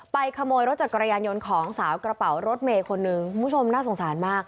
ขโมยรถจักรยานยนต์ของสาวกระเป๋ารถเมย์คนหนึ่งคุณผู้ชมน่าสงสารมาก